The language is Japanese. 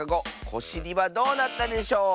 コシリはどうなったでしょう？